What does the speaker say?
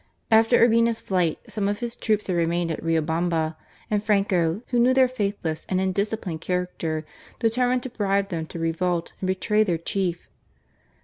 After Urbina's flight some •of his troops had remained at Riobamba, and Franco, who knew their faithless and indisciplined character, determined to bribe them to revolt and betray their chief.